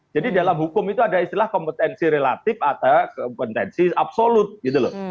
jadi dalam hukum itu ada istilah kompetensi relatif atau kompetensi absolut gitu loh